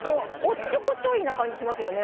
おっちょこちょいな感じしますよね。